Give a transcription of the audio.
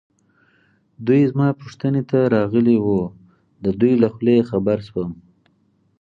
دوی زما پوښتنې ته راغلي وو، د دوی له خولې خبر شوم.